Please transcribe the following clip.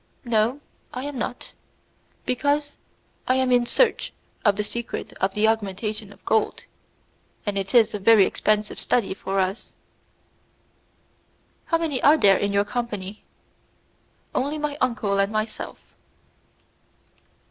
"No, I am not, because I am in search of the secret of the augmentation of gold, and it is a very expensive study for us." "How many are there in your company?" "Only my uncle and myself."